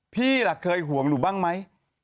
พี่ล่ะเคยห่วงหนูบ้างไหม